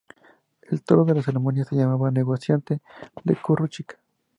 El toro de la ceremonia se llamaba: "Negociante" de Curro Chica.